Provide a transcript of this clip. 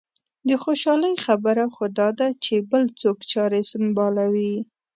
د خوشالۍ خبره خو دا ده چې بل څوک چارې سنبالوي.